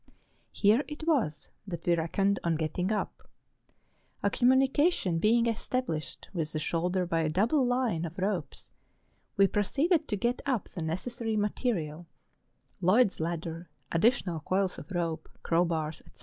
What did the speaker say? Here it was that we reckoned on getting up; a communication being established with the shoulder by a double line of ropes, we proceeded to get up the necessary materiel, , —Lloyd's ladder, additional coils of rope, crow bars, &c.